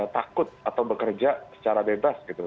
takut atau bekerja secara bebas gitu